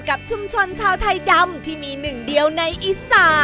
กับชุมชนชาวไทยดำที่มีหนึ่งเดียวในอีสาน